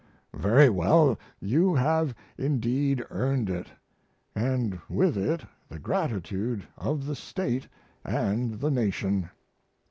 Very well, you have indeed earned it, and with it the gratitude of the State and the nation.